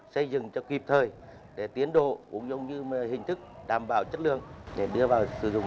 xây dựng cho kịp thời để tiến độ cũng giống như hình thức đảm bảo chất lượng để đưa vào sử dụng